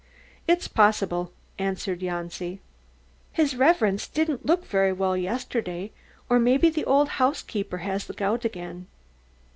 "It's possible," answered Janci. "His Reverence didn't look very well yesterday, or maybe the old housekeeper has the gout again."